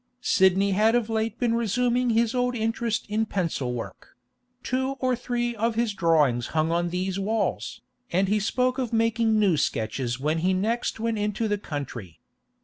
Sidney had of late been resuming his old interest in pencil work; two or three of his drawings hung on these walls, and he spoke of making new sketches when he next went into the country.